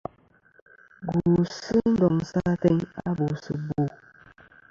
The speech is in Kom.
Gwosɨ ndoŋsɨ ateyn a bòsɨ bò.